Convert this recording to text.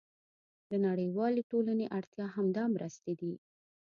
د نړیوالې ټولنې اړتیا همدا مرستې دي.